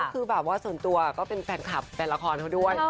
คือแบบว่าส่วนตัวก็เป็นแฟนคลับแฟนละครเขาด้วย